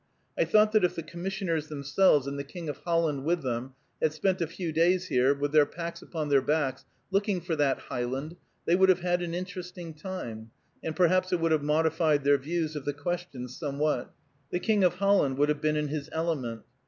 I thought that if the commissioners themselves, and the King of Holland with them, had spent a few days here, with their packs upon their backs, looking for that "highland," they would have had an interesting time, and perhaps it would have modified their views of the question somewhat. The King of Holland would have been in his element.